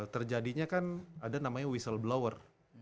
terjadinya kan ada namanya whistleblower